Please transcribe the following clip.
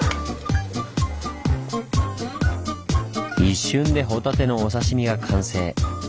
一瞬でホタテのお刺身が完成。